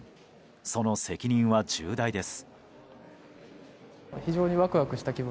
その責任は重大です。